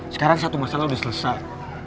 sekarang satu masalah sudah selesai